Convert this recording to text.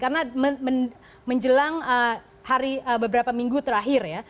karena menjelang beberapa minggu terakhir ya